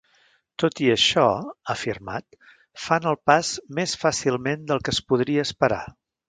Tot i això, ha afirmat, "fan el pas més fàcilment del que es podria esperar.